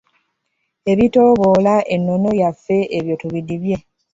Ebityoboola ennono yaffe ebyo tubidibye.